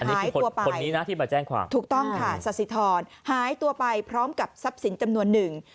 หายตัวไปถูกต้องค่ะศาสิธรหายตัวไปพร้อมกับทรัพย์สินจำนวนหนึ่ง